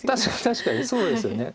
確かにそうですよね。